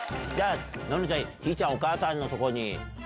ののちゃんひーちゃんをお母さんのとこに。